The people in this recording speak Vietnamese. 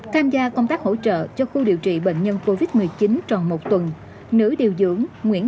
tham gia công tác hỗ trợ cho khu điều trị bệnh nhân covid một mươi chín tròn một tuần nữ điều dưỡng